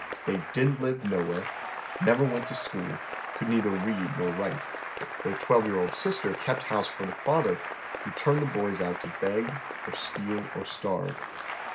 They " didn't live nowhere," never went to school, eould neither read nor write. Their twelve year old sister kept honse for the father, who turned the boys ont to beg, or steal, or starve.